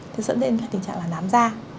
sẽ dẫn đến tình trạng là nám da